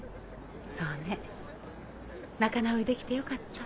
そうね仲直りできてよかった。